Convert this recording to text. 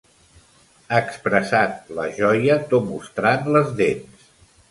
Expressat la joia to mostrant les dents.